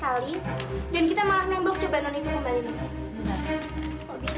ada apaan sih